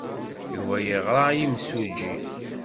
Yuba yeɣra i yimsujji.